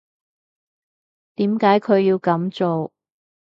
點解佢要噉做？